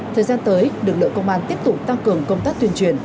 thời gian tới lực lượng công an tiếp tục tăng cường công tác tuyên truyền